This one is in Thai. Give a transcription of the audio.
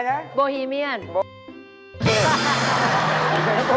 เฮ่ยนักคล่อมน่ะอุ๊ยหลังคาญเออนักคล่อมน่ะ